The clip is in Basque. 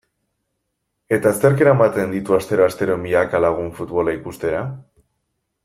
Eta zerk eramaten ditu astero-astero milaka lagun futbola ikustera?